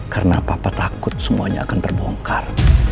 karena papa takut semuanya akan terbongkar